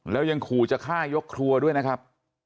แล้วยังขู่จะฆ่ายกครัวด้วยนะครับ